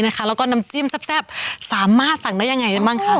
แล้วก็น้ำจิ้มแซ่บสามารถสั่งได้ยังไงได้บ้างคะ